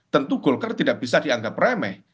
tentu golkar tidak bisa dianggap remeh